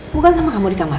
bukan sama kamu di kamar